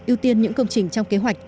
ưu tiên những công trình trong kế hoạch